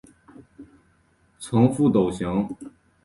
呈覆斗形。